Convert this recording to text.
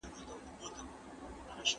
د درو شپو د قضاء يادونه ئې ونکړه.